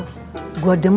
gua demen loh dia diatas